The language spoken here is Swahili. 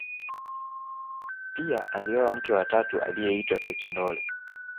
pia alioa mke wa tatu aliyeitwa pia sekindole